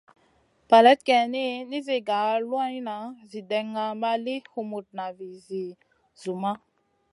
Faleyd geyni, nizi gar luanʼna zi dena ma li humutna vizi zumma.